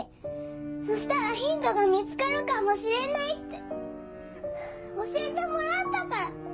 そしたらヒントが見つかるかもしれない」って教えてもらったから。